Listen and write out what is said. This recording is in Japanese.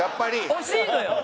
惜しいのよ。